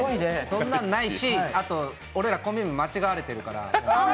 そんなんないし、俺らコンビ名、間違えられてるから。